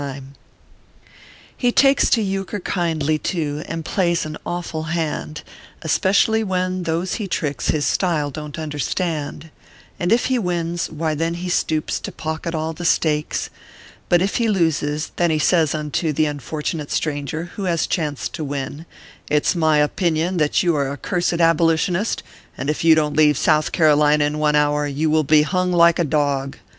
ORPHEUS C. KERR PAPERS. 213 He takes to euchre kindly, too, and plays an awful hand, Especially when those he tricks his style don t understand ; And if he wins, why then he stoops to pocket all the stakes ; But if ho loses, then he says unto the unfortunate stranger, who has chanced to win :" It s my opinion that you are a cursed aboli tionist ; and if you don t leave South Carolina in one hour, you will bo hung like a dog."